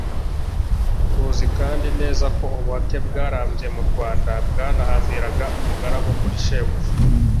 Tuzi kandi neza ko ubuhake bwarambye mu Rwanda. Bwanahambiraga umugaragu kuri shebuja,